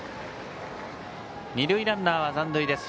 二塁ランナーは残塁です。